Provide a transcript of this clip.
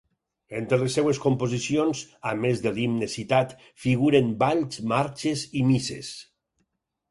Entre les seves composicions, a més de l'himne citat, figuren balls, marxes i misses.